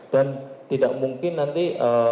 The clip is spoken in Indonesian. dan tidak mungkin nanti